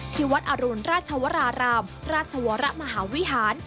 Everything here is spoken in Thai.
ที่วัดอรุณราชวรารามราชวรมหาวิหาร